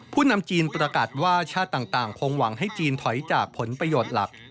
นำจีนประกาศว่าชาติต่างคงหวังให้จีนถอยจากผลประโยชน์หลัก